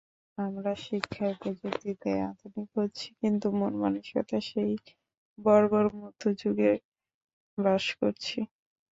আমরা শিক্ষায়, প্রযুক্তিতে আধুনিক হচ্ছি, কিন্তু মন-মানসিকতায় সেই বর্বর মধ্যযুগেই বাস করছি।